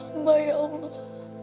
abah ya allah